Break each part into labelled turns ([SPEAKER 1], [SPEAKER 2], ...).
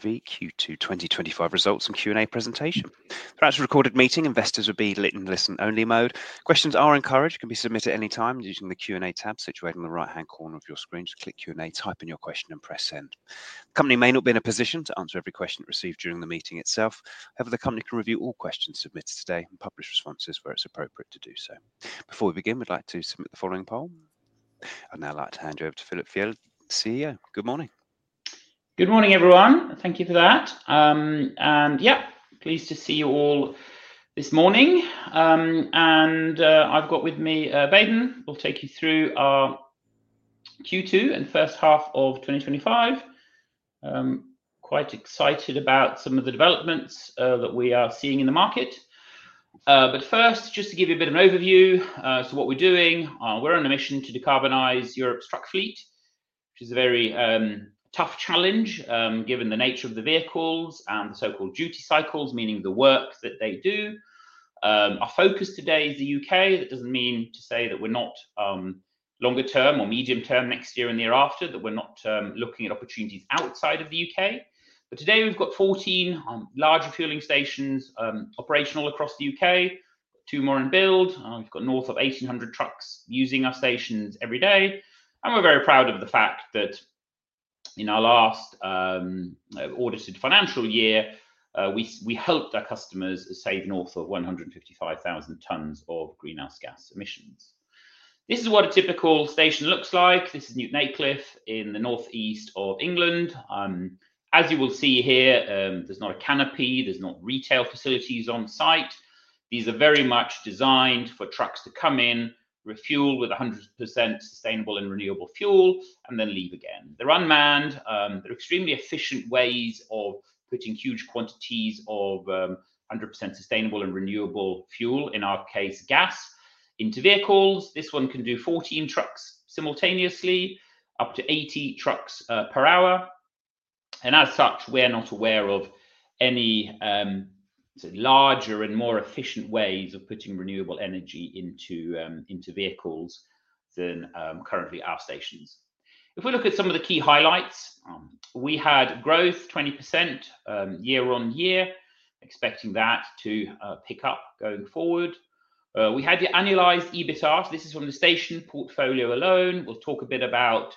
[SPEAKER 1] Q2 2025 results and Q&A presentation. Throughout this recorded meeting, investors will be in listen-only mode. Questions are encouraged. Questions can be submitted at any time using the Q&A tab situated on the right-hand corner of your screen. Just click Q&A, type in your question, and press send. The company may not be in a position to answer every question it receives during the meeting itself. However, the company can review all questions submitted today and publish responses where it's appropriate to do so. Before we begin, we'd like to launch the following poll. I'd now like to hand you over to Philip Fjeld, CEO. Good morning.
[SPEAKER 2] Good morning, everyone. Thank you for that, and yep, pleased to see you all this morning. I've got with me. Baden will take you through our Q2 and first half of 2025, quite excited about some of the developments that we are seeing in the market, but first, just to give you a bit of an overview, so what we're doing, we're on a mission to decarbonize Europe's truck fleet, which is a very tough challenge, given the nature of the vehicles and the so-called duty cycles, meaning the work that they do, our focus today is the UK. That doesn't mean to say that we're not, longer-term or medium-term next year and the year after, looking at opportunities outside of the UK, but today we've got 14 larger fueling stations, operational across the UK, two more in build. We've got north of 1,800 trucks using our stations every day. And we're very proud of the fact that in our last, audited financial year, we helped our customers save north of 155,000 tons of greenhouse gas emissions. This is what a typical station looks like. This is Newton Aycliffe in the northeast of England. As you will see here, there's not a canopy. There's not retail facilities on site. These are very much designed for trucks to come in, refuel with 100% sustainable and renewable fuel, and then leave again. They're unmanned. They're extremely efficient ways of putting huge quantities of 100% sustainable and renewable fuel, in our case, gas, into vehicles. This one can do 14 trucks simultaneously, up to 80 trucks per hour. As such, we're not aware of any larger and more efficient ways of putting renewable energy into vehicles than currently our stations. If we look at some of the key highlights, we had growth 20% year on year, expecting that to pick up going forward. We had the annualized EBITDA. So this is from the station portfolio alone. We'll talk a bit about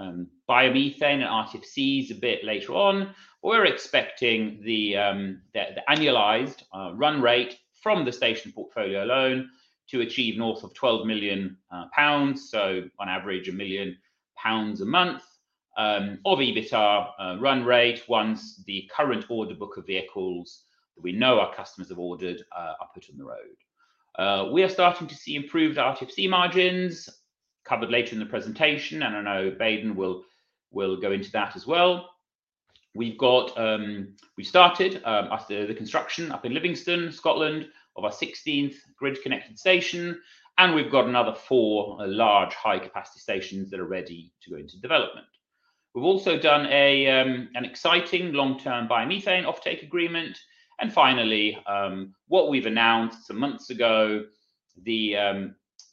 [SPEAKER 2] biomethane and RTFCs a bit later on. We're expecting the annualized run rate from the station portfolio alone to achieve north of 12 million pounds, so on average a million pounds a month of EBITDA run rate once the current order book of vehicles that we know our customers have ordered are put on the road. We are starting to see improved RTFC margins, covered later in the presentation, and I know Baden will go into that as well. We've got we've started after the construction up in Livingston, Scotland, of our 16th grid-connected station, and we've got another four large high-capacity stations that are ready to go into development. We've also done an exciting long-term biomethane offtake agreement. And finally, what we've announced some months ago,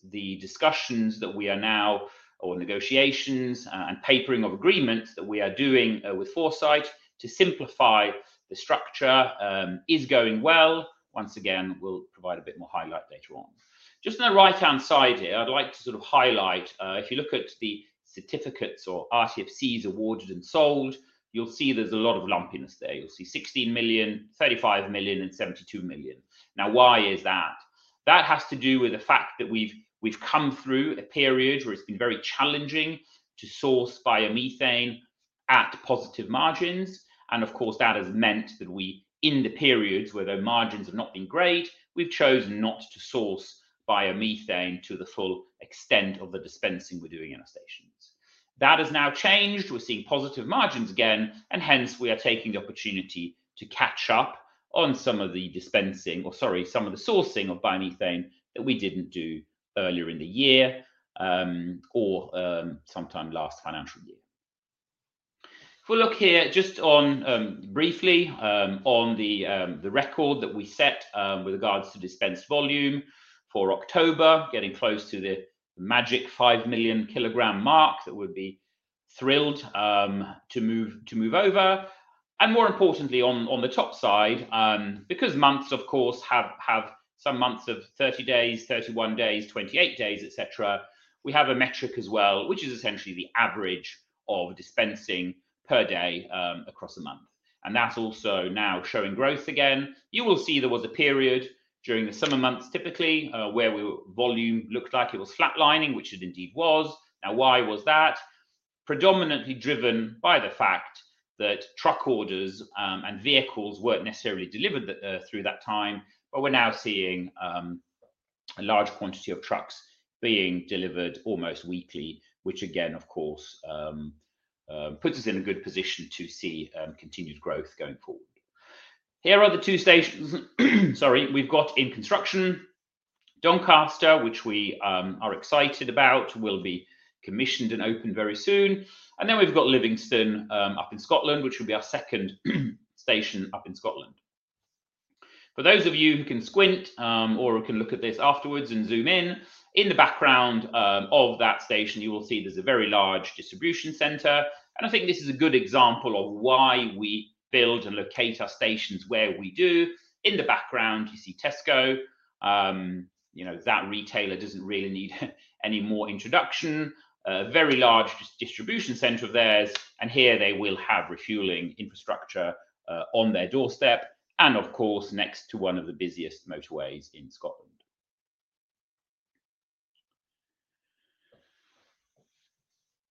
[SPEAKER 2] the discussions that we are now, or negotiations, and papering of agreements that we are doing, with Foresight to simplify the structure, is going well. Once again, we'll provide a bit more highlight later on. Just on the right-hand side here, I'd like to sort of highlight, if you look at the certificates or RTFCs awarded and sold, you'll see there's a lot of lumpiness there. You'll see 16 million, 35 million, and 72 million. Now, why is that? That has to do with the fact that we've come through a period where it's been very challenging to source biomethane at positive margins. And of course, that has meant that we, in the periods where the margins have not been great, we've chosen not to source biomethane to the full extent of the dispensing we're doing in our stations. That has now changed. We're seeing positive margins again, and hence we are taking the opportunity to catch up on some of the dispensing, or sorry, some of the sourcing of biomethane that we didn't do earlier in the year, or sometime last financial year. If we look here just briefly on the record that we set, with regards to dispense volume for October, getting close to the magic five million kilogram mark that we'd be thrilled to move over. And more importantly, on the top side, because months, of course, have some months of 30 days, 31 days, 28 days, et cetera, we have a metric as well, which is essentially the average of dispensing per day, across a month, and that's also now showing growth again. You will see there was a period during the summer months typically, where we were volume looked like it was flatlining, which it indeed was. Now, why was that? Predominantly driven by the fact that truck orders, and vehicles weren't necessarily delivered, through that time, but we're now seeing a large quantity of trucks being delivered almost weekly, which again, of course, puts us in a good position to see continued growth going forward. Here are the two stations, sorry, we've got in construction, Doncaster, which we are excited about, will be commissioned and opened very soon. And then we've got Livingston, up in Scotland, which will be our second station up in Scotland. For those of you who can squint, or who can look at this afterwards and zoom in, in the background, of that station, you will see there's a very large distribution center. And I think this is a good example of why we build and locate our stations where we do. In the background, you see Tesco. You know, that retailer doesn't really need any more introduction. Very large distribution center of theirs. And here they will have refueling infrastructure, on their doorstep, and of course, next to one of the busiest motorways in Scotland.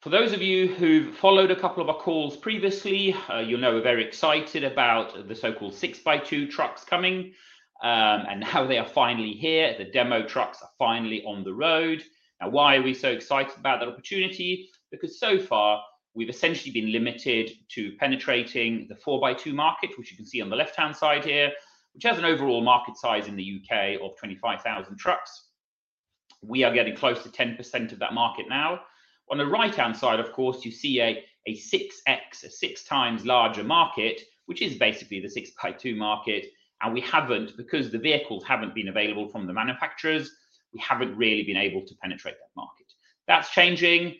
[SPEAKER 2] For those of you who've followed a couple of our calls previously, you'll know we're very excited about the so-called six by two trucks coming, and how they are finally here. The demo trucks are finally on the road. Now, why are we so excited about that opportunity? Because so far we've essentially been limited to penetrating the four by two market, which you can see on the left-hand side here, which has an overall market size in the UK of 25,000 trucks. We are getting close to 10% of that market now. On the right-hand side, of course, you see a six times larger market, which is basically the six by two market, and we haven't, because the vehicles haven't been available from the manufacturers, we haven't really been able to penetrate that market. That's changing.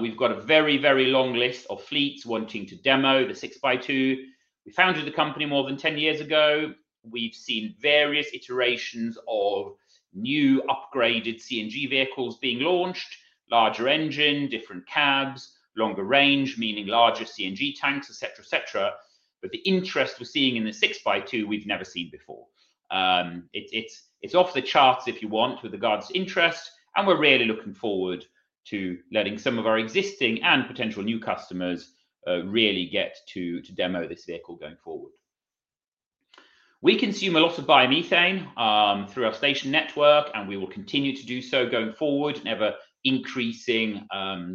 [SPEAKER 2] We've got a very, very long list of fleets wanting to demo the six by two. We founded the company more than 10 years ago. We've seen various iterations of new upgraded CNG vehicles being launched, larger engine, different cabs, longer range, meaning larger CNG tanks, et cetera, et cetera. But the interest we're seeing in the six by two, we've never seen before. It's off the charts, if you want, with regards to interest. And we're really looking forward to letting some of our existing and potential new customers really get to demo this vehicle going forward. We consume a lot of biomethane through our station network, and we will continue to do so going forward. Ever-increasing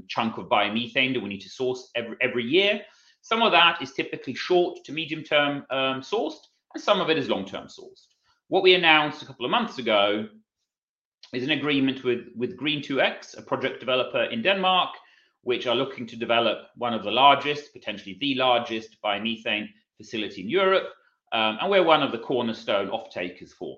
[SPEAKER 2] chunk of biomethane that we need to source every year. Some of that is typically short- to medium-term sourced, and some of it is long-term sourced. What we announced a couple of months ago is an agreement with Green2x, a project developer in Denmark, which are looking to develop one of the largest, potentially the largest biomethane facility in Europe. We're one of the cornerstone offtakers for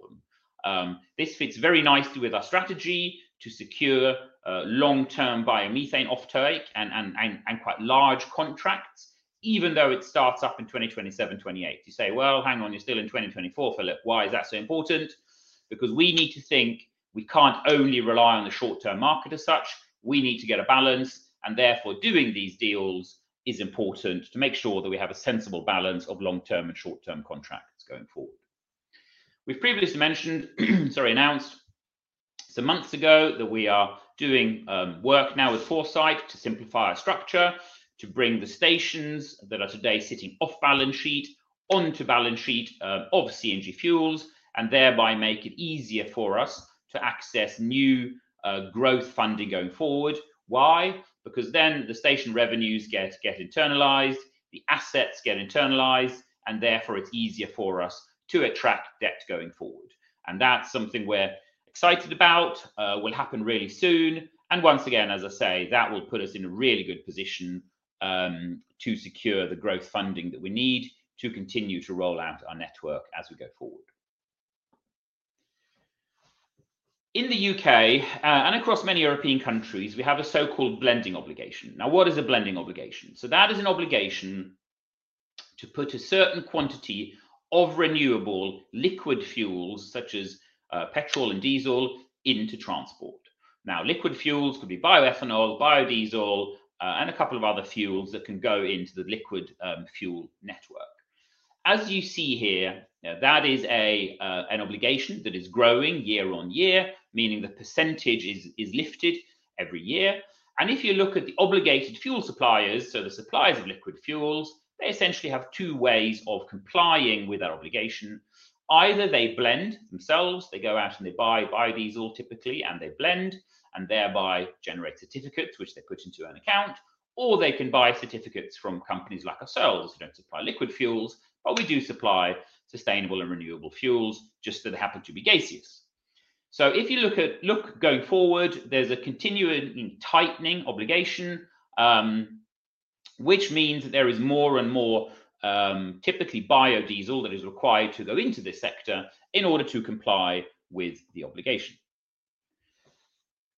[SPEAKER 2] them. This fits very nicely with our strategy to secure long-term biomethane offtake and quite large contracts, even though it starts up in 2027-28. You say, well, hang on, you're still in 2024, Philip. Why is that so important? Because we need to think we can't only rely on the short-term market as such. We need to get a balance, and therefore doing these deals is important to make sure that we have a sensible balance of long-term and short-term contracts going forward. We've previously mentioned, sorry, announced some months ago that we are doing work now with Foresight to simplify our structure, to bring the stations that are today sitting off balance sheet onto balance sheet of CNG Fuels, and thereby make it easier for us to access new growth funding going forward. Why? Because then the station revenues get internalized, the assets get internalized, and therefore it's easier for us to attract debt going forward. That's something we're excited about. It will happen really soon. Once again, as I say, that will put us in a really good position to secure the growth funding that we need to continue to roll out our network as we go forward. In the UK and across many European countries, we have a so-called blending obligation. Now, what is a blending obligation? That is an obligation to put a certain quantity of renewable liquid fuels, such as petrol and diesel, into transport. Now, liquid fuels could be bioethanol, biodiesel, and a couple of other fuels that can go into the liquid fuel network. As you see here, that is an obligation that is growing year on year, meaning the percentage is lifted every year. If you look at the obligated fuel suppliers, so the suppliers of liquid fuels, they essentially have two ways of complying with our obligation. Either they blend themselves, they go out and they buy diesel typically, and they blend and thereby generate certificates, which they put into an account, or they can buy certificates from companies like ourselves who don't supply liquid fuels, but we do supply sustainable and renewable fuels just that happen to be gaseous. So if you look going forward, there's a continuing tightening obligation, which means that there is more and more, typically biodiesel that is required to go into this sector in order to comply with the obligation.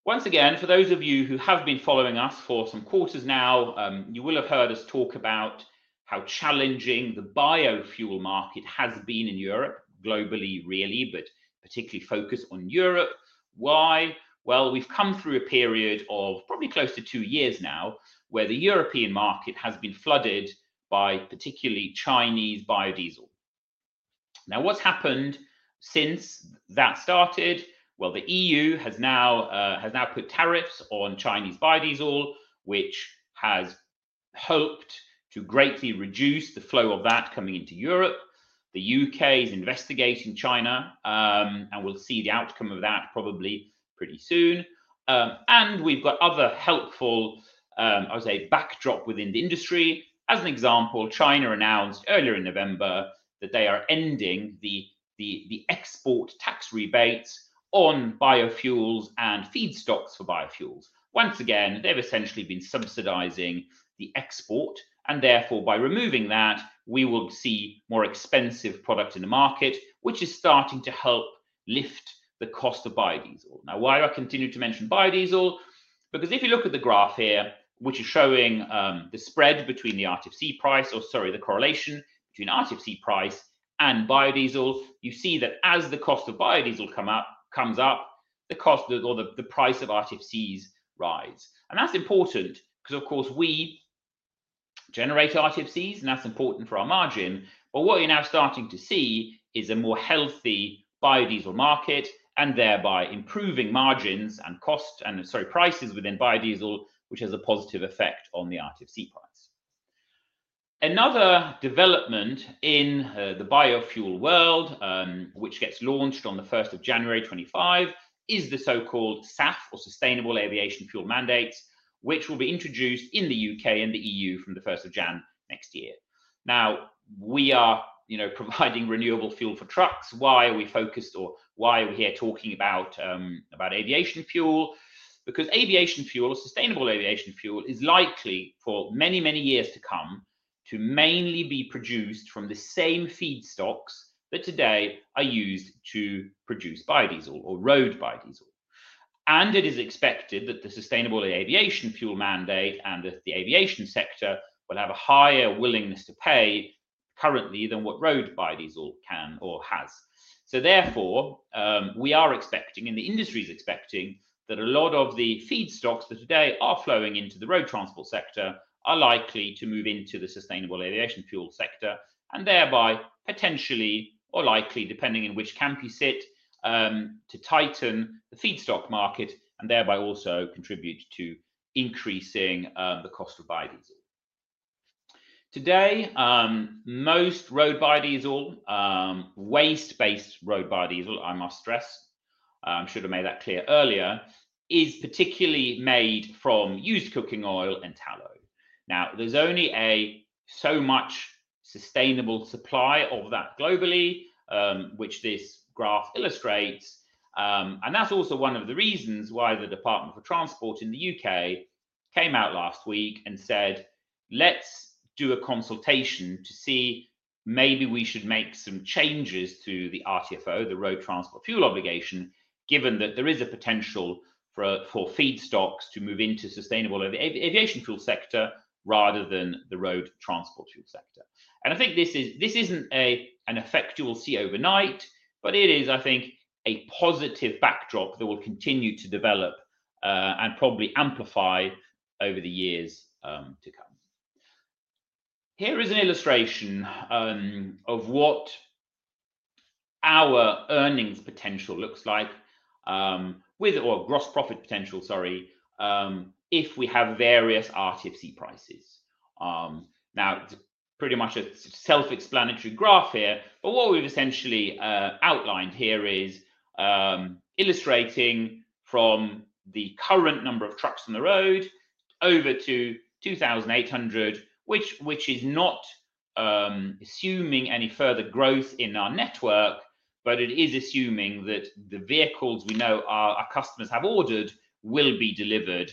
[SPEAKER 2] Once again, for those of you who have been following us for some quarters now, you will have heard us talk about how challenging the biofuel market has been in Europe, globally, really, but particularly focused on Europe. Why? Well, we've come through a period of probably close to two years now where the European market has been flooded by particularly Chinese biodiesel. Now, what's happened since that started? Well, the EU has now put tariffs on Chinese biodiesel, which has hoped to greatly reduce the flow of that coming into Europe. The UK is investigating China, and we'll see the outcome of that probably pretty soon. And we've got other helpful, I would say, backdrop within the industry. As an example, China announced earlier in November that they are ending the export tax rebates on biofuels and feedstocks for biofuels. Once again, they've essentially been subsidizing the export, and therefore by removing that, we will see more expensive products in the market, which is starting to help lift the cost of biodiesel. Now, why do I continue to mention biodiesel? Because if you look at the graph here, which is showing the spread between the RTFC price or, sorry, the correlation between RTFC price and biodiesel, you see that as the cost of biodiesel comes up, the price of RTFCs rise. That's important because, of course, we generate RTFCs, and that's important for our margin. What you're now starting to see is a more healthy biodiesel market and thereby improving margins and prices within biodiesel, which has a positive effect on the RTFC price. Another development in the biofuel world, which gets launched on the 1st of January 2025, is the so-called SAF or Sustainable Aviation Fuel Mandates, which will be introduced in the U.K. and the E.U. from the 1st of January next year. Now, we are, you know, providing renewable fuel for trucks. Why are we focused or why are we here talking about aviation fuel? Because aviation fuel, or sustainable aviation fuel, is likely for many, many years to come to mainly be produced from the same feedstocks that today are used to produce biodiesel or road biodiesel. It is expected that the Sustainable Aviation Fuel Mandate and the aviation sector will have a higher willingness to pay currently than what road biodiesel can or has. Therefore, we are expecting, and the industry's expecting that a lot of the feedstocks that today are flowing into the road transport sector are likely to move into the sustainable aviation fuel sector and thereby potentially or likely, depending in which camp you sit, to tighten the feedstock market and thereby also contribute to increasing the cost of biodiesel. Today, most road biodiesel, waste-based road biodiesel, I must stress, should have made that clear earlier, is particularly made from used cooking oil and tallow. Now, there's only so much sustainable supply of that globally, which this graph illustrates. And that's also one of the reasons why the Department for Transport in the U.K. came out last week and said, let's do a consultation to see maybe we should make some changes to the RTFO, the Renewable Transport Fuel Obligation, given that there is a potential for feedstocks to move into sustainable aviation fuel sector rather than the road transport fuel sector. And I think this isn't an effect you will see overnight, but it is, I think, a positive backdrop that will continue to develop, and probably amplify over the years to come. Here is an illustration of what our earnings potential looks like, or gross profit potential, sorry, if we have various RTFC prices. Now it's pretty much a self-explanatory graph here, but what we've essentially outlined here is illustrating from the current number of trucks on the road over to 2,800, which is not assuming any further growth in our network, but it is assuming that the vehicles we know our customers have ordered will be delivered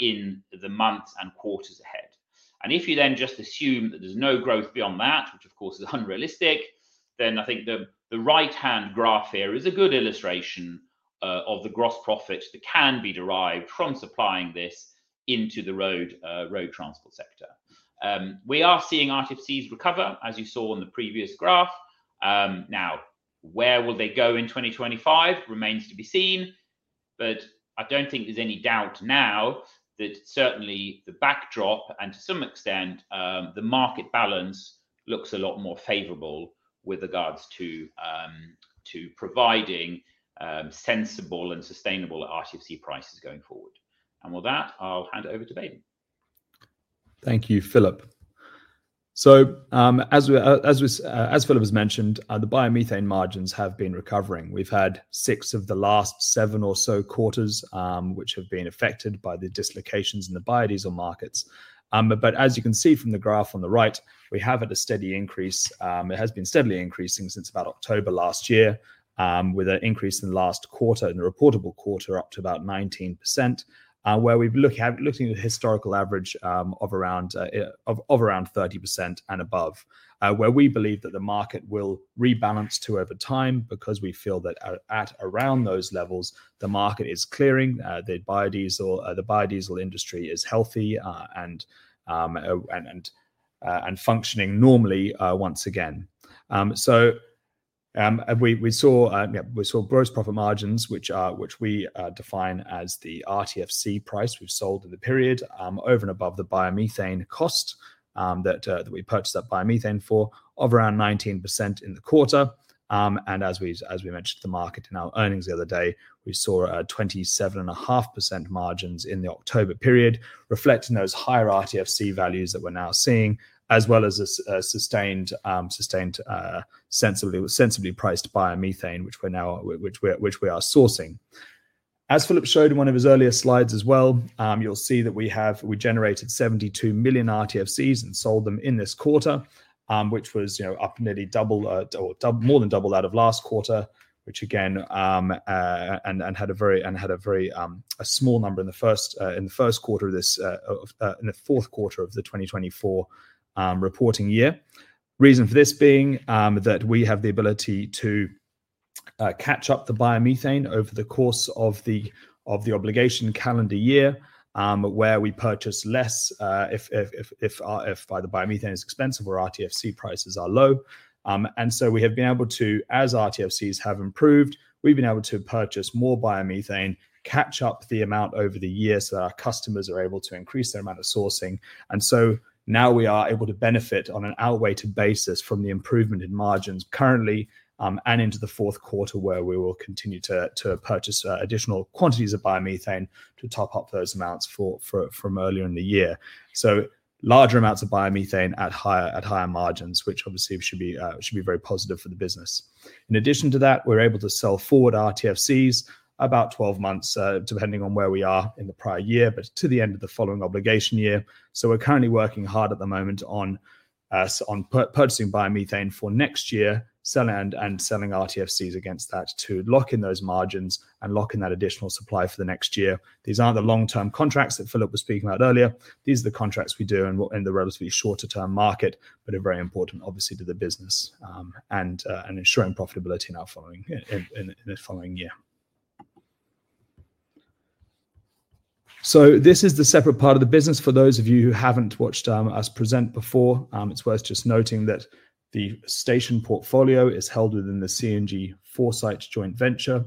[SPEAKER 2] in the months and quarters ahead. If you then just assume that there's no growth beyond that, which of course is unrealistic, then I think the right-hand graph here is a good illustration of the gross profit that can be derived from supplying this into the road transport sector. We are seeing RTFCs recover, as you saw in the previous graph. Now, where will they go in 2025 remains to be seen, but I don't think there's any doubt now that certainly the backdrop and to some extent, the market balance looks a lot more favorable with regards to providing sensible and sustainable RTFC prices going forward. And with that, I'll hand it over to Baden.
[SPEAKER 3] Thank you, Philip. So, as Philip has mentioned, the biomethane margins have been recovering. We've had six of the last seven or so quarters, which have been affected by the dislocations in the biodiesel markets. But as you can see from the graph on the right, we have had a steady increase. It has been steadily increasing since about October last year, with an increase in the last quarter and the reportable quarter up to about 19%, where we've looked into the historical average of around 30% and above, where we believe that the market will rebalance to over time because we feel that at around those levels, the market is clearing, the biodiesel industry is healthy, and functioning normally once again. We saw gross profit margins, which we define as the RTFC price we've sold in the period over and above the biomethane cost that we purchased that biomethane for of around 19% in the quarter. As we mentioned to the market in our earnings the other day, we saw 27.5% margins in the October period reflecting those higher RTFC values that we're now seeing, as well as a sustained, sensibly priced biomethane, which we are sourcing. As Philip showed in one of his earlier slides as well, you'll see that we generated 72 million RTFCs and sold them in this quarter, which was, you know, up nearly double, or double, more than double that of last quarter, which again had a very small number in the Q4 of the 2024 reporting year. Reason for this being that we have the ability to catch up the biomethane over the course of the obligation calendar year, where we purchase less if biomethane is expensive or RTFC prices are low. And so we have been able to, as RTFCs have improved, we've been able to purchase more biomethane, catch up the amount over the year so that our customers are able to increase their amount of sourcing. And so now we are able to benefit on a weighted basis from the improvement in margins currently, and into the Q4 where we will continue to purchase additional quantities of biomethane to top up those amounts from earlier in the year. So larger amounts of biomethane at higher margins, which obviously should be very positive for the business. In addition to that, we're able to sell forward RTFCs about 12 months, depending on where we are in the prior year, but to the end of the following obligation year. So we're currently working hard at the moment on purchasing biomethane for next year, selling and selling RTFCs against that to lock in those margins and lock in that additional supply for the next year. These aren't the long-term contracts that Philip was speaking about earlier. These are the contracts we do in the relatively shorter-term market, but are very important, obviously, to the business, and ensuring profitability in our following year. So this is the separate part of the business. For those of you who haven't watched us present before, it's worth just noting that the station portfolio is held within the CNG Foresight Joint Venture.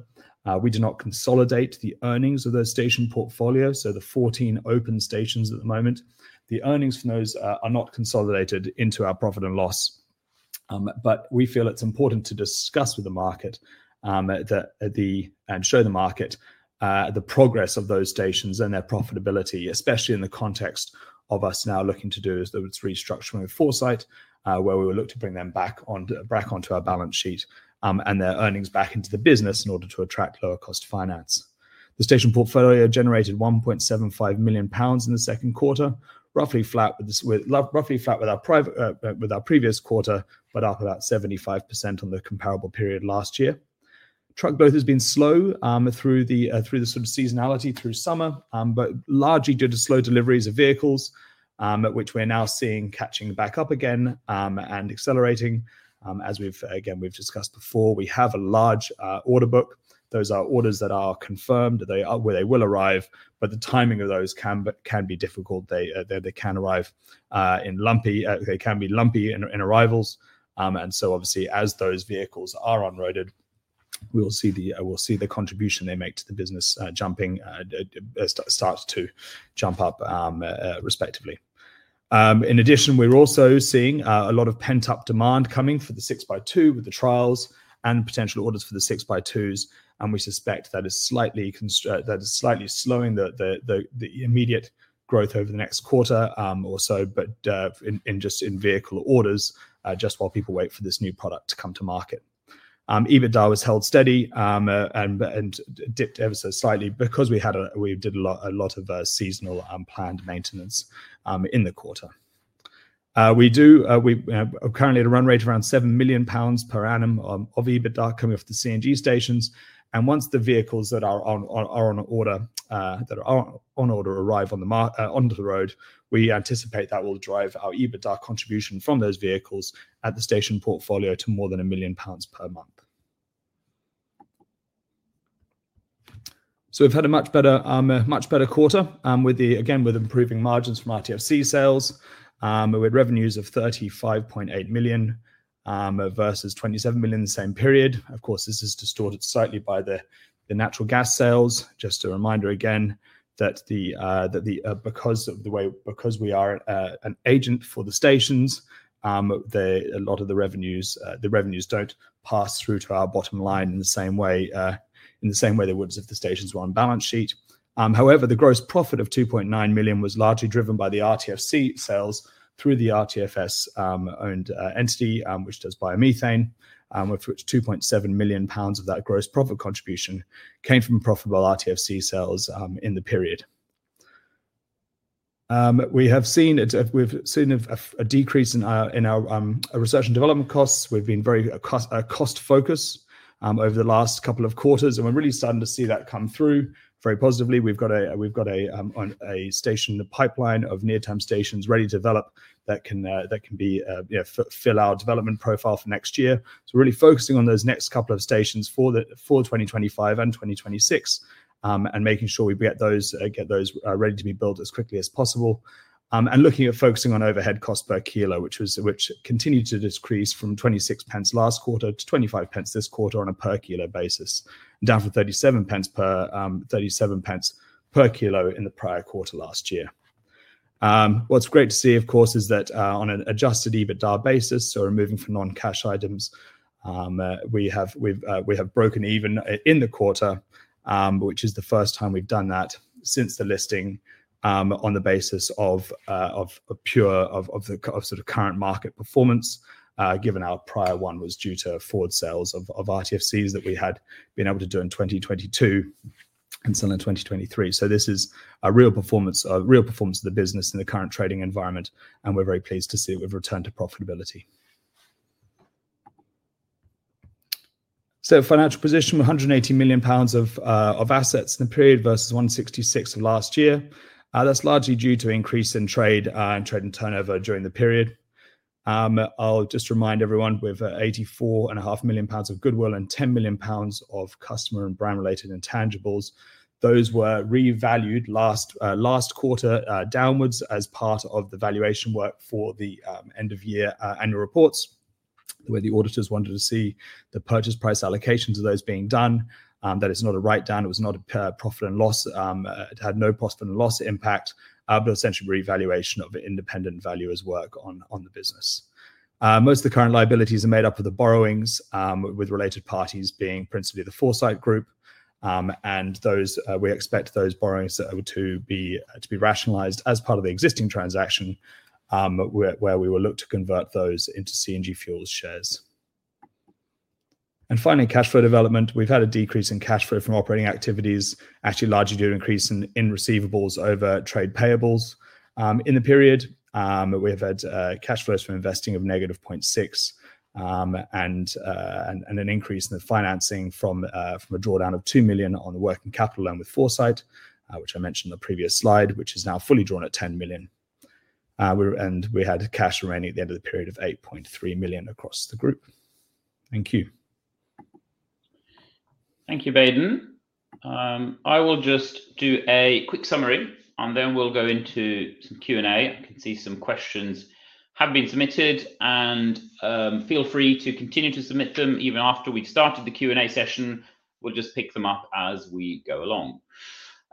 [SPEAKER 3] We do not consolidate the earnings of those station portfolios. So the 14 open stations at the moment, the earnings from those, are not consolidated into our profit and loss. But we feel it's important to discuss with the market that, and show the market, the progress of those stations and their profitability, especially in the context of us now looking to do, that is, the restructuring of Foresight, where we will look to bring them back onto our balance sheet, and their earnings back into the business in order to attract lower cost finance. The station portfolio generated 1.75 million pounds in the Q2, roughly flat with our previous quarter, but up about 75% on the comparable period last year. Truck growth has been slow through the sort of seasonality through summer, but largely due to slow deliveries of vehicles, at which we are now seeing catching back up again and accelerating, as we've discussed before again, we have a large order book. Those are orders that are confirmed, they are where they will arrive, but the timing of those can be difficult. They can arrive in lumpy, they can be lumpy in arrivals. And so obviously, as those vehicles are unloaded, we will see the contribution they make to the business jumping starts to jump up respectively. In addition, we're also seeing a lot of pent-up demand coming for the six by two with the trials and potential orders for the six by twos. We suspect that is slightly slowing the immediate growth over the next quarter or so, but in just vehicle orders, just while people wait for this new product to come to market. EBITDA was held steady and dipped ever so slightly because we did a lot of seasonal, planned maintenance in the quarter. We are currently at a run rate around seven million GBP per annum of EBITDA coming off the CNG stations. Once the vehicles that are on order arrive onto the road, we anticipate that will drive our EBITDA contribution from those vehicles at the station portfolio to more than one million GBP per month.
[SPEAKER 2] So we've had a much better, a much better quarter, with, again, improving margins from RTFC sales, with revenues of 35.8 million, versus 27 million in the same period. Of course, this is distorted slightly by the natural gas sales.
[SPEAKER 3] Just a reminder again that because of the way we are an agent for the stations, a lot of the revenues don't pass through to our bottom line in the same way the whole of the stations were on balance sheet. However, the gross profit of 2.9 million was largely driven by the RTFC sales through the ReFuels owned entity, which does biomethane, with which 2.7 million pounds of that gross profit contribution came from profitable RTFC sales in the period. We have seen a decrease in our research and development costs. We've been very cost focused over the last couple of quarters, and we're really starting to see that come through very positively. We've got a station in the pipeline of near-term stations ready to develop that can, you know, fill our development profile for next year. So we're really focusing on those next couple of stations for 2025 and 2026, and making sure we get those ready to be built as quickly as possible, and looking at focusing on overhead cost per kilo, which continued to decrease from 0.26 last quarter to 0.25 this quarter on a per kilo basis, down from 0.37 per kilo in the prior quarter last year. What's great to see, of course, is that, on an adjusted EBITDA basis, so removing for non-cash items, we have broken even in the quarter, which is the first time we've done that since the listing, on the basis of pure sort of current market performance, given our prior one was due to forward sales of RTFCs that we had been able to do in 2022 and sell in 2023. This is a real performance of the business in the current trading environment, and we're very pleased to see it with return to profitability. Financial position, 180 million pounds of assets in the period versus 166 million of last year. That's largely due to increase in trade and turnover during the period. I'll just remind everyone with 84.5 million pounds of Goodwill and 10 million pounds of customer and brand related intangibles. Those were revalued last quarter, downwards as part of the valuation work for the end of year annual reports where the auditors wanted to see the purchase price allocations of those being done. That is not a write down. It was not a profit and loss, it had no profit and loss impact, but essentially revaluation of independent valuers' work on the business. Most of the current liabilities are made up of the borrowings, with related parties being principally the Foresight Group. And those, we expect those borrowings to be rationalized as part of the existing transaction, where we will look to convert those into CNG Fuels shares. And finally, cash flow development. We've had a decrease in cash flow from operating activities, actually largely due to increase in receivables over trade payables. In the period, we have had cash flows from investing of negative 0.6, and an increase in the financing from a drawdown of 2 million on the working capital loan with Foresight, which I mentioned in the previous slide, which is now fully drawn at 10 million. And we had cash remaining at the end of the period of 8.3 million across the group. Thank you.
[SPEAKER 2] Thank you, Baden. I will just do a quick summary and then we'll go into some Q and A. I can see some questions have been submitted and feel free to continue to submit them even after we've started the Q and A session. We'll just pick them up as we go along.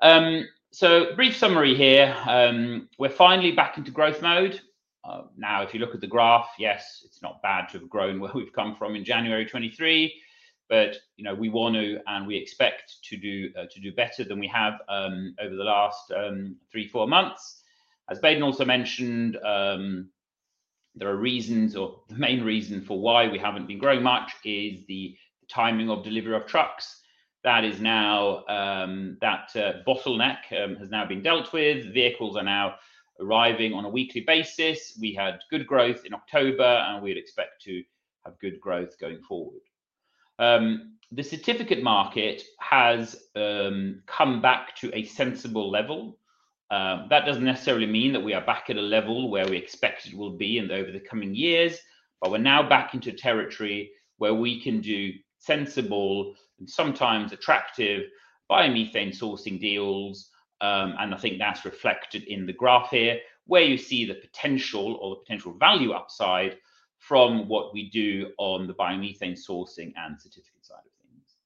[SPEAKER 2] Brief summary here. We're finally back into growth mode. Now if you look at the graph, yes, it's not bad to have grown where we've come from in January 2023, but you know, we want to and we expect to do, to do better than we have, over the last, three, four months. As Baden also mentioned, there are reasons or the main reason for why we haven't been growing much is the, the timing of delivery of trucks. That is now, that, bottleneck, has now been dealt with. Vehicles are now arriving on a weekly basis. We had good growth in October and we would expect to have good growth going forward. The certificate market has, come back to a sensible level. That doesn't necessarily mean that we are back at a level where we expected it will be over the coming years, but we're now back into territory where we can do sensible and sometimes attractive biomethane sourcing deals. And I think that's reflected in the graph here where you see the potential value upside from what we do on the biomethane sourcing and certificate side of things.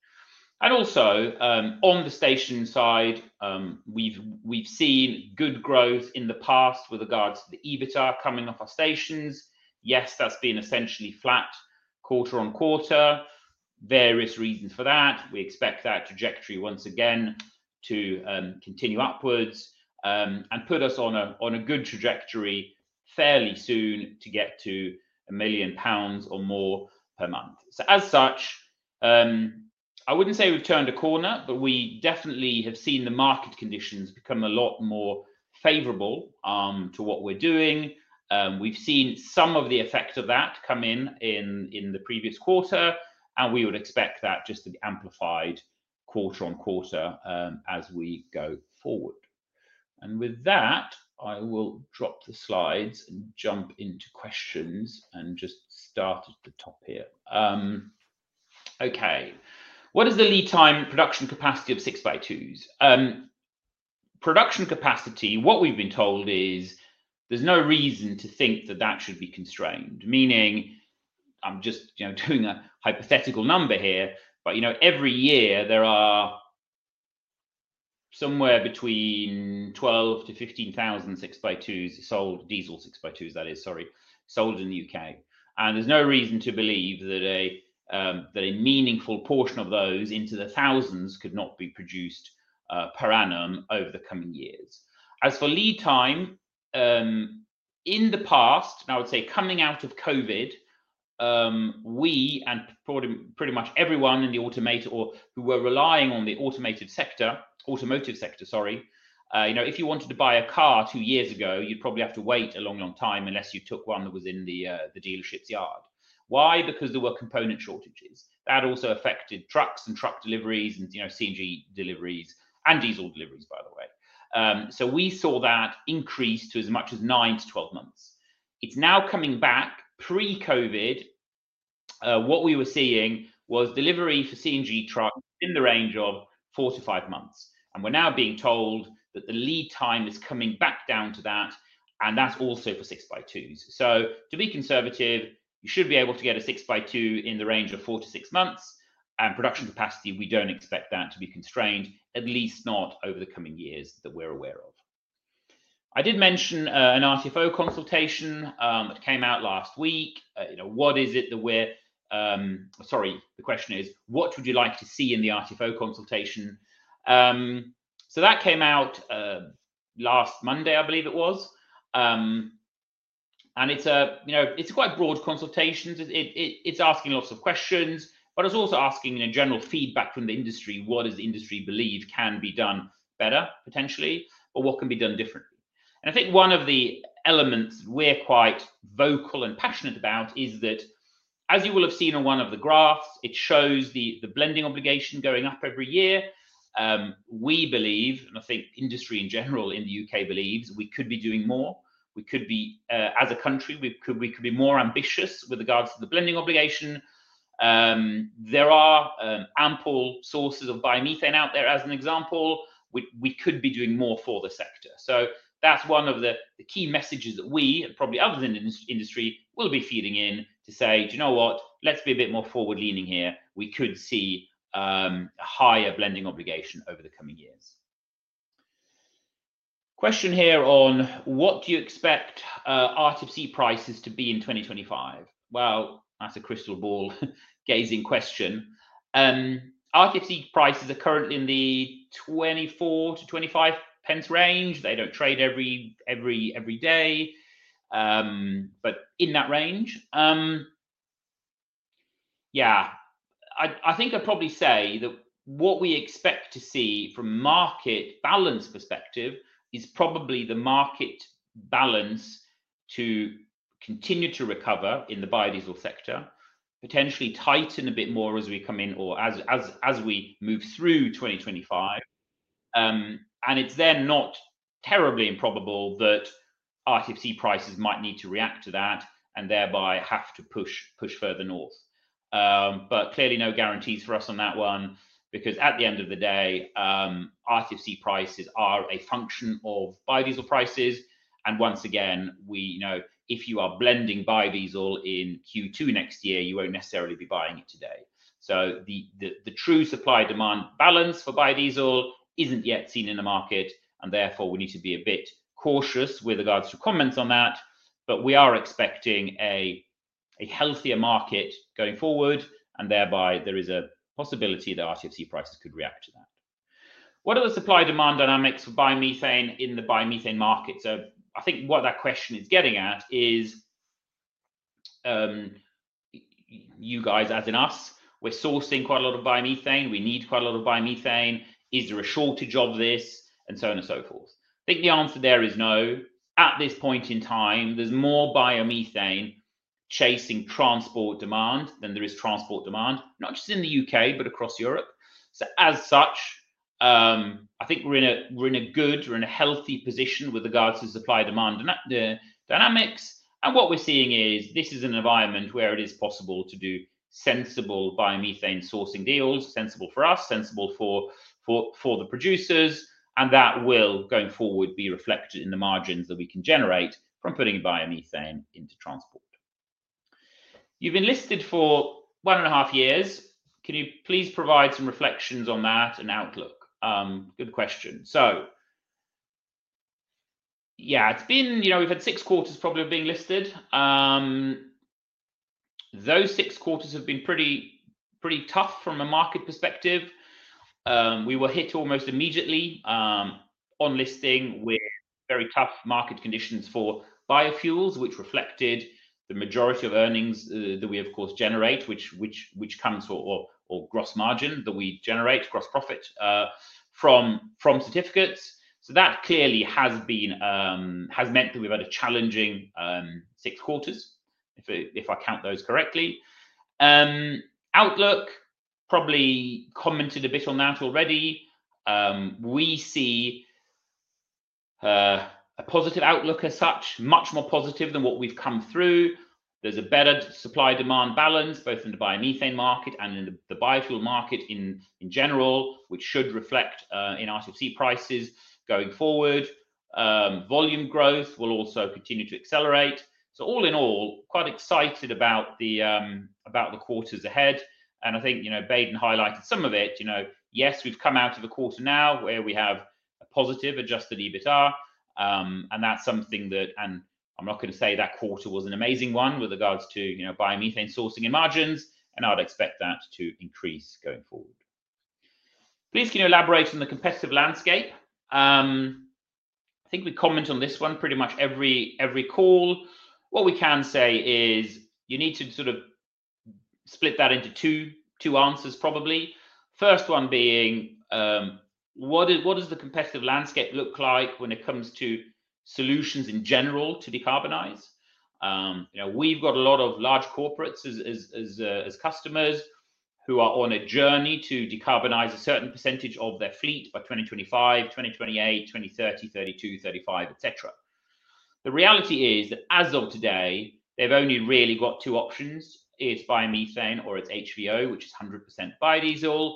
[SPEAKER 2] And also, on the station side, we've seen good growth in the past with regards to the EBITDA coming off our stations. Yes, that's been essentially flat quarter on quarter. Various reasons for that. We expect that trajectory once again to continue upwards, and put us on a good trajectory fairly soon to get to 1 million pounds or more per month. So as such, I wouldn't say we've turned a corner, but we definitely have seen the market conditions become a lot more favorable to what we're doing. We've seen some of the effect of that come in in the previous quarter, and we would expect that just to be amplified quarter on quarter, as we go forward. And with that, I will drop the slides and jump into questions and just start at the top here. Okay. What is the lead time production capacity of 6x2s? Production capacity, what we've been told is there's no reason to think that should be constrained, meaning I'm just, you know, doing a hypothetical number here, but you know, every year there are somewhere between 12,000 to 15,000 6x2s sold, diesel 6x2s that is, sorry, sold in the UK. There's no reason to believe that a meaningful portion of those into the thousands could not be produced per annum over the coming years. As for lead time, in the past, and I would say coming out of COVID, we and probably pretty much everyone in the automated or who were relying on the automated sector, automotive sector, sorry, you know, if you wanted to buy a car two years ago, you'd probably have to wait a long, long time unless you took one that was in the dealership's yard. Why? Because there were component shortages that also affected trucks and truck deliveries and, you know, CNG deliveries and diesel deliveries, by the way. We saw that increase to as much as nine to 12 months. It's now coming back pre-COVID. What we were seeing was delivery for CNG trucks in the range of four to five months. And we're now being told that the lead time is coming back down to that. And that's also for 6x2s. So to be conservative, you should be able to get a 6x2 in the range of four to six months. And production capacity, we don't expect that to be constrained, at least not over the coming years that we're aware of. I did mention an RTFO consultation that came out last week. You know, what is it that we're, sorry, the question is, what would you like to see in the RTFO consultation? So that came out last Monday, I believe it was. And it's a, you know, it's a quite broad consultation. It's asking lots of questions, but it's also asking, you know, general feedback from the industry. What does the industry believe can be done better potentially, or what can be done differently? And I think one of the elements that we are quite vocal and passionate about is that, as you will have seen on one of the graphs, it shows the blending obligation going up every year. We believe, and I think industry in general in the U.K. believes we could be doing more. We could be, as a country, we could be more ambitious with regards to the blending obligation. There are ample sources of biomethane out there as an example, which we could be doing more for the sector. So that's one of the key messages that we, and probably others in the industry, will be feeding in to say, do you know what, let's be a bit more forward leaning here. We could see a higher blending obligation over the coming years. Question here on what do you expect RTFC prices to be in 2025? Well, that's a crystal ball gazing question. RTFC prices are currently in the 24-25 pence range. They don't trade every day, but in that range. Yeah, I think I'd probably say that what we expect to see from market balance perspective is probably the market balance to continue to recover in the biodiesel sector, potentially tighten a bit more as we come in or as we move through 2025. And it's then not terribly improbable that RTFC prices might need to react to that and thereby have to push, push further north. But clearly no guarantees for us on that one, because at the end of the day, RTFC prices are a function of biodiesel prices. And once again, we, you know, if you are blending biodiesel in Q2 next year, you won't necessarily be buying it today. So the true supply demand balance for biodiesel isn't yet seen in the market, and therefore we need to be a bit cautious with regards to comments on that. But we are expecting a healthier market going forward, and thereby there is a possibility that RTFC prices could react to that. What are the supply demand dynamics for biomethane in the biomethane market? So I think what that question is getting at is, you guys, as in us, we're sourcing quite a lot of biomethane. We need quite a lot of biomethane. Is there a shortage of this? And so on and so forth. I think the answer there is no. At this point in time, there's more biomethane chasing transport demand than there is transport demand, not just in the UK, but across Europe. So as such, I think we're in a good, healthy position with regards to supply demand and the dynamics. And what we're seeing is this is an environment where it is possible to do sensible biomethane sourcing deals, sensible for us, sensible for the producers. And that will going forward be reflected in the margins that we can generate from putting biomethane into transport. You've been listed for one and a half years. Can you please provide some reflections on that and outlook? Good question. So yeah, it's been, you know, we've had six quarters probably of being listed. Those six quarters have been pretty tough from a market perspective. We were hit almost immediately on listing with very tough market conditions for biofuels, which reflected the majority of earnings that we, of course, generate, which comes from our gross margin that we generate gross profit from certificates. So that clearly has meant that we've had a challenging six quarters, if I count those correctly. Outlook probably commented a bit on that already. We see a positive outlook as such, much more positive than what we've come through. There's a better supply demand balance both in the biomethane market and in the biofuel market in general, which should reflect in RTFC prices going forward. Volume growth will also continue to accelerate, so all in all, quite excited about the quarters ahead, and I think, you know, Baden highlighted some of it, you know, yes, we've come out of a quarter now where we have a positive adjusted EBITDA, and that's something that, and I'm not gonna say that quarter was an amazing one with regards to, you know, biomethane sourcing and margins, and I'd expect that to increase going forward. Please can you elaborate on the competitive landscape? I think we comment on this one pretty much every call. What we can say is you need to sort of split that into two answers probably. First one being, what does the competitive landscape look like when it comes to solutions in general to decarbonize? You know, we've got a lot of large corporates as customers who are on a journey to decarbonize a certain percentage of their fleet by 2025, 2028, 2030, 2032, 2035, et cetera. The reality is that as of today, they've only really got two options. It's biomethane or it's HVO, which is 100% biodiesel.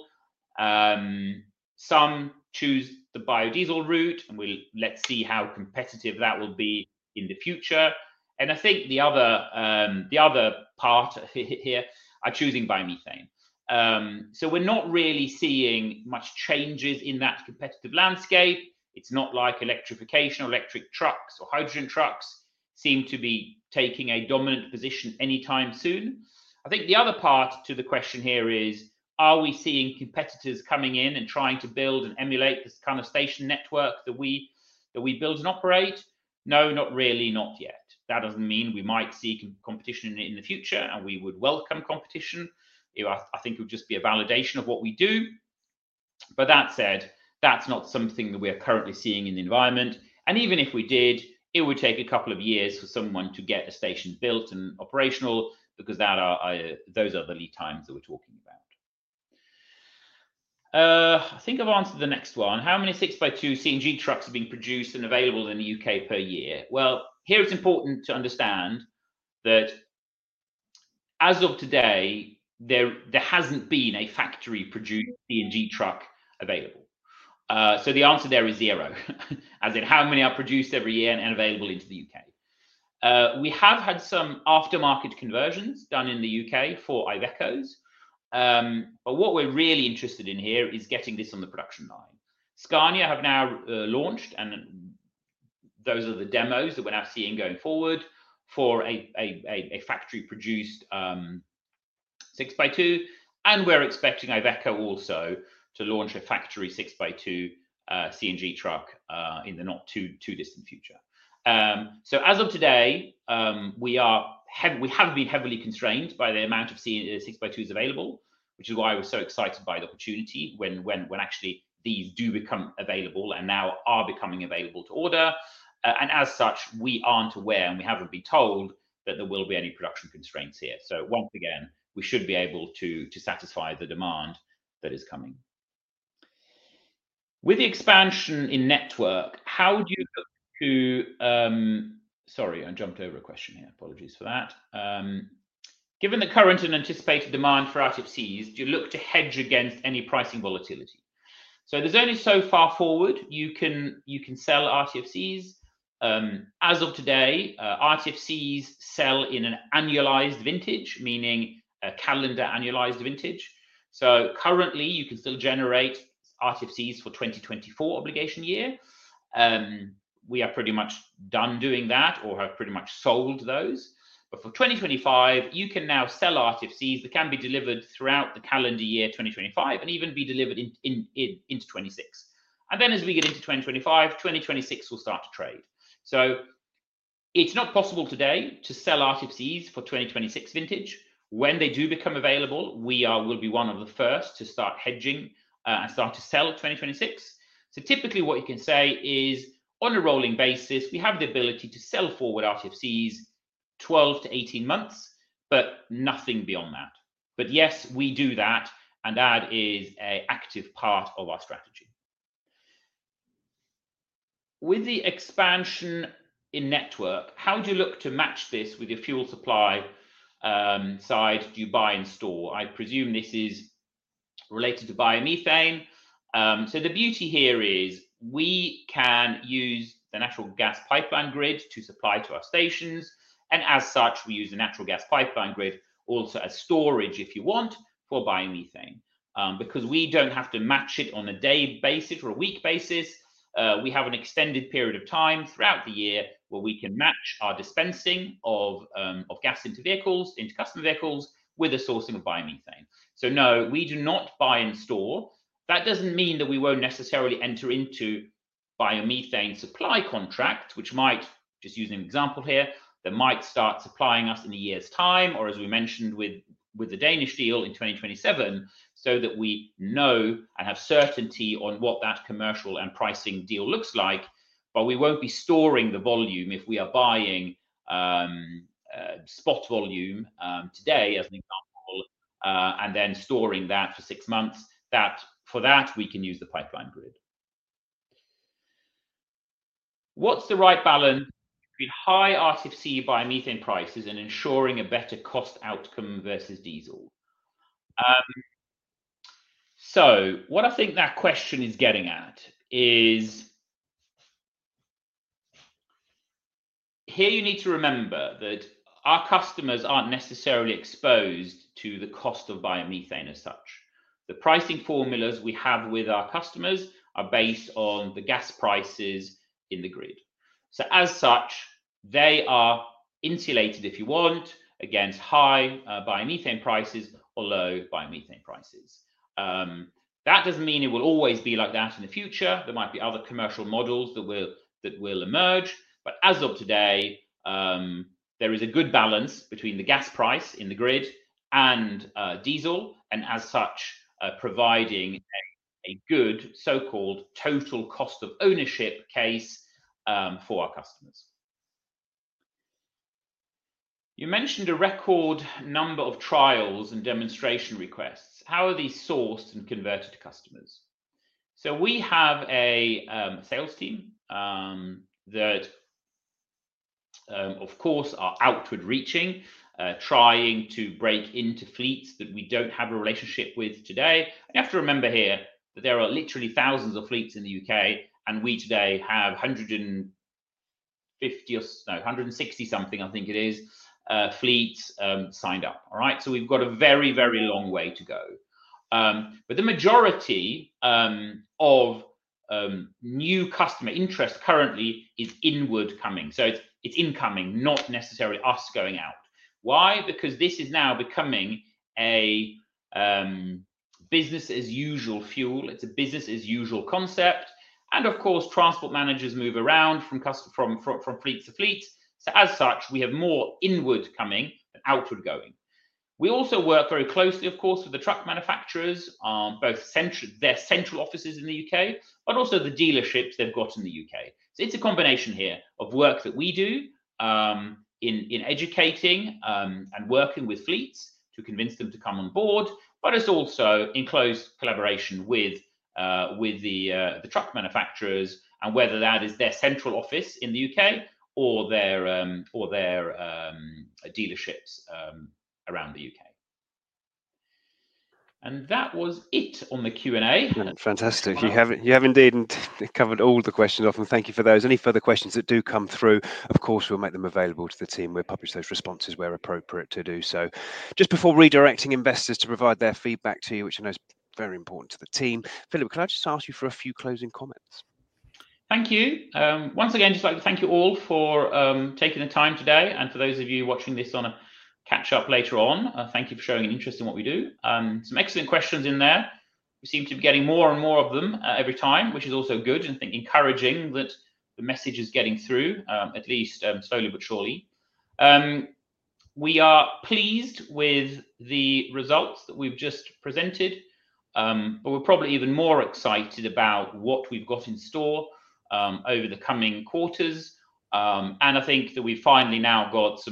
[SPEAKER 2] Some choose the biodiesel route and we'll see how competitive that will be in the future. And I think the other part of it here are choosing biomethane. So we're not really seeing much changes in that competitive landscape. It's not like electrification or electric trucks or hydrogen trucks seem to be taking a dominant position anytime soon. I think the other part to the question here is, are we seeing competitors coming in and trying to build and emulate this kind of station network that we, that we build and operate? No, not really, not yet. That doesn't mean we might see competition in the future and we would welcome competition. You, I think it would just be a validation of what we do. But that said, that's not something that we are currently seeing in the environment. And even if we did, it would take a couple of years for someone to get a station built and operational because those are the lead times that we're talking about. I think I've answered the next one. How many 6x2 CNG trucks are being produced and available in the U.K. per year? Well, here it's important to understand that as of today, there hasn't been a factory produced CNG truck available. So the answer there is zero, as in how many are produced every year and available into the UK. We have had some aftermarket conversions done in the UK for Ivecos. But what we're really interested in here is getting this on the production line. Scania have now launched, and those are the demos that we're now seeing going forward for a factory produced six by two. And we're expecting Iveco also to launch a factory six by two CNG truck in the not too distant future. So as of today, we are heavy. We have been heavily constrained by the amount of CNG 6x2s available, which is why I was so excited by the opportunity when actually these do become available and now are becoming available to order. As such, we aren't aware and we haven't been told that there will be any production constraints here. So once again, we should be able to satisfy the demand that is coming. With the expansion in network, how do you look to. Sorry, I jumped over a question here. Apologies for that. Given the current and anticipated demand for RTFCs, do you look to hedge against any pricing volatility? So there's only so far forward you can sell RTFCs. As of today, RTFCs sell in an annualized vintage, meaning a calendar annualized vintage. So currently you can still generate RTFCs for 2024 obligation year. We are pretty much done doing that or have pretty much sold those. But for 2025, you can now sell RTFCs that can be delivered throughout the calendar year 2025 and even be delivered into 2026. And then as we get into 2025, 2026 will start to trade. So it's not possible today to sell RTFCs for 2026 vintage. When they do become available, we will be one of the first to start hedging, and start to sell 2026. So typically what you can say is on a rolling basis, we have the ability to sell forward RTFCs 12 to 18 months, but nothing beyond that. But yes, we do that. And that is an active part of our strategy. With the expansion in network, how would you look to match this with your fuel supply side? Do you buy and store? I presume this is related to biomethane. So the beauty here is we can use the natural gas pipeline grid to supply to our stations. And as such, we use a natural gas pipeline grid also as storage, if you want, for biomethane, because we don't have to match it on a day basis or a week basis. We have an extended period of time throughout the year where we can match our dispensing of gas into vehicles, into customer vehicles with a sourcing of biomethane. So no, we do not buy and store. That doesn't mean that we won't necessarily enter into biomethane supply contracts, which might, just using an example here, that might start supplying us in a year's time, or as we mentioned with, with the Danish deal in 2027, so that we know and have certainty on what that commercial and pricing deal looks like. But we won't be storing the volume if we are buying, spot volume, today as an example, and then storing that for six months, that for that we can use the pipeline grid. What's the right balance between high RTFC biomethane prices and ensuring a better cost outcome versus diesel? So what I think that question is getting at is here, you need to remember that our customers aren't necessarily exposed to the cost of biomethane as such. The pricing formulas we have with our customers are based on the gas prices in the grid. So as such, they are insulated, if you want, against high biomethane prices or low biomethane prices. That doesn't mean it will always be like that in the future. There might be other commercial models that will emerge. But as of today, there is a good balance between the gas price in the grid and diesel, and as such, providing a good so-called total cost of ownership case for our customers. You mentioned a record number of trials and demonstration requests. How are these sourced and converted to customers? So we have a sales team that, of course, are outward reaching, trying to break into fleets that we don't have a relationship with today. And you have to remember here that there are literally thousands of fleets in the UK, and we today have 150 or, no, 160-something, I think it is, fleets signed up. All right. So we've got a very, very long way to go. But the majority of new customer interest currently is inward coming. So it's incoming, not necessarily us going out. Why? Because this is now becoming a business as usual fuel. It's a business as usual concept. And of course, transport managers move around from customer from fleet to fleet. So as such, we have more inward coming than outward going. We also work very closely, of course, with the truck manufacturers, both their central offices in the UK, but also the dealerships they've got in the UK. So it's a combination here of work that we do in educating and working with fleets to convince them to come on board, but it's also in close collaboration with the truck manufacturers and whether that is their central office in the U.K. or their dealerships around the U.K. And that was it on the Q and A. Fantastic.
[SPEAKER 1] You have indeed covered all the questions often. Thank you for those. Any further questions that do come through, of course, we'll make them available to the team. We'll publish those responses where appropriate to do so. Just before redirecting investors to provide their feedback to you, which I know is very important to the team, Philip, can I just ask you for a few closing comments?
[SPEAKER 2] Thank you. Once again, just like to thank you all for taking the time today. And for those of you watching this on a catch up later on, thank you for showing an interest in what we do. Some excellent questions in there. We seem to be getting more and more of them, every time, which is also good. And I think encouraging that the message is getting through, at least, slowly but surely. We are pleased with the results that we've just presented, but we're probably even more excited about what we've got in store, over the coming quarters. And I think that we've finally now got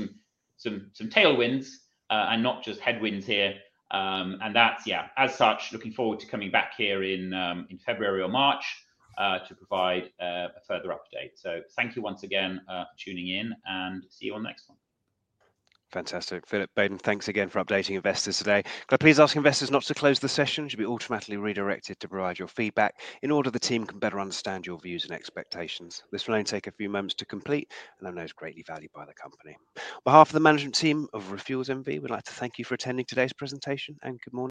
[SPEAKER 2] some tailwinds, and not just headwinds here. And that's, yeah, as such, looking forward to coming back here in February or March, to provide a further update. So thank you once again, for tuning in and see you on the next one.
[SPEAKER 1] Fantastic. Philip Fjeld and Baden Gowrie-Smith, thanks again for updating investors today. Could I please ask investors not to close the session? Should be automatically redirected to provide your feedback in order the team can better understand your views and expectations. This will only take a few moments to complete and are now greatly valued by the company. On behalf of the management team of ReFuels N.V., we'd like to thank you for attending today's presentation and good morning.